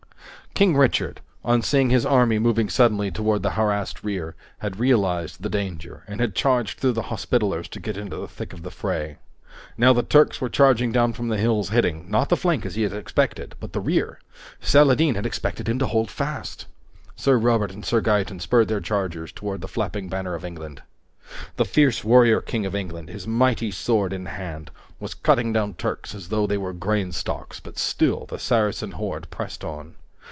King Richard, on seeing his army moving suddenly toward the harassed rear, had realized the danger and had charged through the Hospitallers to get into the thick of the fray. Now the Turks were charging down from the hills, hitting not the flank as he had expected, but the rear! Saladin had expected him to hold fast! Sir Robert and Sir Gaeton spurred their chargers toward the flapping banner of England. The fierce warrior king of England, his mighty sword in hand, was cutting down Turks as though they were grain stalks, but still the Saracen horde pressed on.